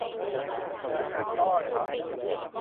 พนักงานต้อนรับ